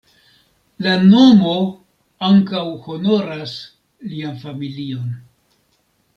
La nomo ankaŭ honoras lian familion.